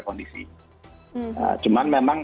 kondisi cuman memang